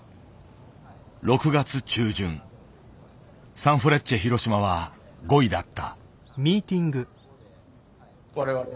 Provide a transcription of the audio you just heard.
サンフレッチェ広島は５位だった。